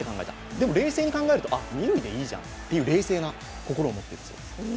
でも、冷静に考えると、二塁でいいじゃんという冷静な心を持っていたそうです。